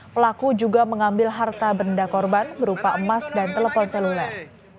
pelaku juga mengambil harta benda korban berupa emas dan telepon seluler